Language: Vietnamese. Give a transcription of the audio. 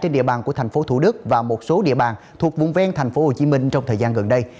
trong thời gian gần đây thành phố thủ đức và một số địa bàn thuộc vùng ven tp hcm trong thời gian gần đây